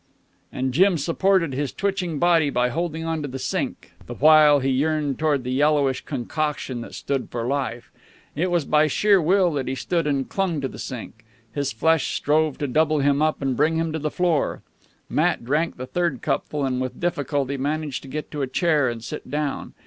And Jim supported his twitching body by holding on to the sink, the while he yearned toward the yellowish concoction that stood for life. It was by sheer will that he stood and clung to the sink. His flesh strove to double him up and bring him to the floor. Matt drank the third cupful, and with difficulty managed to get to a chair and sit down.